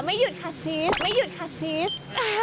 ไม่หยุดค่ะซีส